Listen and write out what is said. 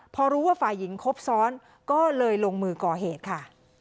พอรู้ว่าฝ่ายหญิงครบซ้อนก็เลยลงมือก่อเหตุค่ะ